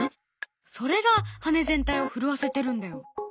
それが羽全体を震わせてるんだよ。